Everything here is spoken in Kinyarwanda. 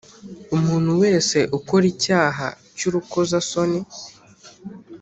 Umuntu wese ukora icyaha cy urukozasoni